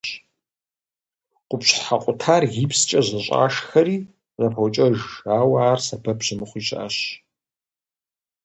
Къупщхьэ къутар гипскӏэ зэщӏашхэри зэпокӏэж, ауэ ар сэбэп щымыхъуи щыӏэщ.